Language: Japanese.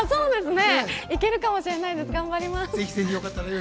いけるかもしれないです、頑張ります。